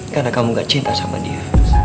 karena kamu gak cinta sama dia